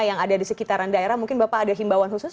yang ada di sekitaran daerah mungkin bapak ada himbauan khusus